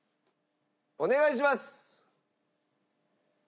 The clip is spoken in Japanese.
お願いします。